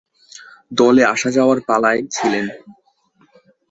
দলে আসা-যাওয়ার পালায় ছিলেন।